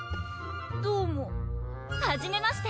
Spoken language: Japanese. どうもはじめまして！